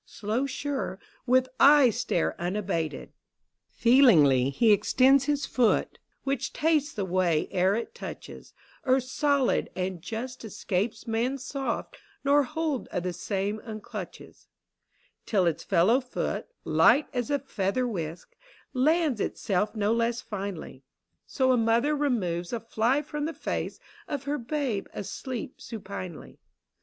Slow, sure, With eye stare unabated, Feelingly he extends a foot Which tastes the way ere it touches Earth's solid and just escapes man's soft, Nor hold of the same unclutches Till its fellow foot, light as a feather whisk, Lands itself no less finely : So a mother removes a fly from the face Of her babe asleep supinely.